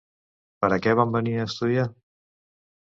Per a què van venir a estudiar?